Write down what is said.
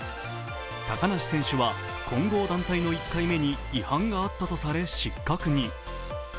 高梨選手は混合団体の１回目に違反があったとされ、失格に。